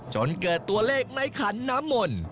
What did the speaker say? จนเกิดตัวเลขในขันน้ำมนต์